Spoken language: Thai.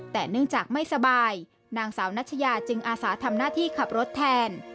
แต่เนื่องจากไม่สบายนางสาวนัชยาจึงอาสาทำหน้าที่ขับรถแทน